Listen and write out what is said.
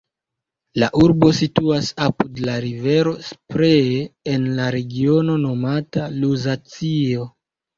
La urbo situas apud la rivero Spree en la regiono nomata Luzacio.